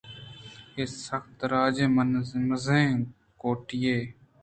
اے سک درٛاج ءُمزنیں کوٹی ئے اَت